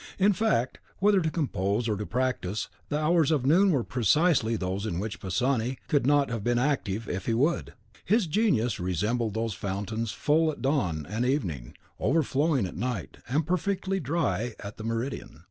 In fact, whether to compose or to practice, the hours of noon were precisely those in which Pisani could not have been active if he would. His genius resembled those fountains full at dawn and evening, overflowing at night, and perfectly dry at the meridian.